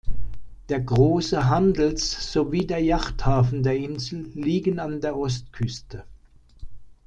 Der große Handels- sowie der Yachthafen der Insel liegen an der Ostküste.